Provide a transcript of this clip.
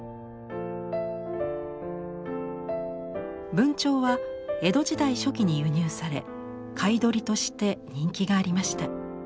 文鳥は江戸時代初期に輸入され飼い鳥として人気がありました。